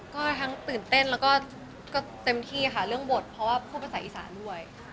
ก็ทั้งตื่นเต้นแล้วก็เต็มที่ค่ะเรื่องบทเพราะว่าพูดภาษาอีสานด้วย